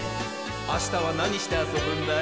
あしたはなにしてあそぶんだい？